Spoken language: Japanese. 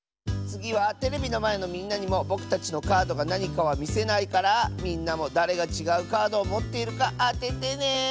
つぎはテレビのまえのみんなにもぼくたちのカードがなにかはみせないからみんなもだれがちがうカードをもっているかあててね！